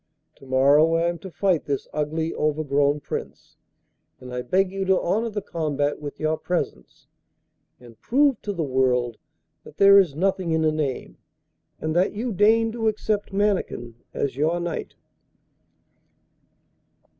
Tomorrow I am to fight this ugly, overgrown Prince, and I beg you to honour the combat with your presence, and prove to the world that there is nothing in a name, and that you deign to accept Mannikin as your knight.